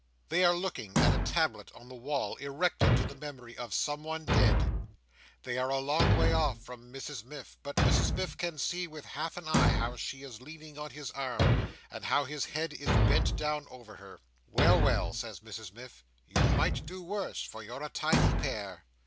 They are looking at a tablet on the wall, erected to the memory of someone dead. They are a long way off from Mrs Miff, but Mrs Miff can see with half an eye how she is leaning on his arm, and how his head is bent down over her. "Well, well," says Mrs Miff, "you might do worse. For you're a tidy pair!"